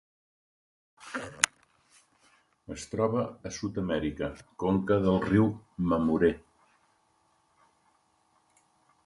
Es troba a Sud-amèrica: conca del riu Mamoré.